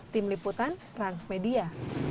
tim liputan transmedia